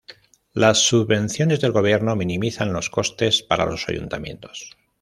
Las subvenciones del gobierno minimizan los costes para los ayuntamientos.